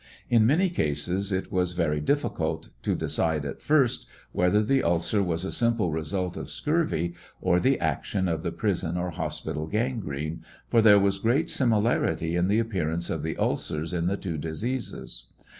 In many cases it was very difficult to decide at first whether the ulcer was a simple result of scurvy or the action of the prison or hospital gangene, for there was great similarity in the appearance of the ulcers in the two diseases.